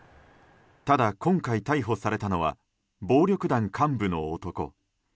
ただ今回逮捕されたのは暴力団幹部の男。